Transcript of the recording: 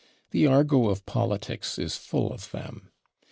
The argot of politics is full of them.